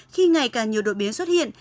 khi ngày càng nhiều đột biến xuất hiện